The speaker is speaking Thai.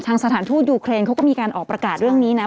สถานทูตยูเครนเขาก็มีการออกประกาศเรื่องนี้นะ